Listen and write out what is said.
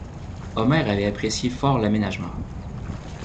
Omer avait apprécié fort l'aménagement.